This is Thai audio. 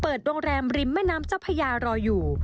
โรงแรมริมแม่น้ำเจ้าพญารออยู่